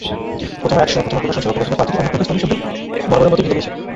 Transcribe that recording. প্রথমা প্রকাশন, সেবা প্রকাশনী, পাঞ্জেরি, অন্যপ্রকাশের স্টলের সামনে বরাবরের মতো ভিড় লেগেই ছিল।